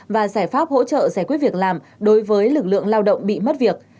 và giải pháp hỗ trợ giải quyết việc làm đối với lực lượng lao động bị mất việc